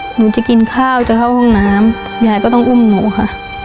หนูจะกินข้าวจะเข้าห้องน้ำยายก็ต้องอุ้มหนูค่ะ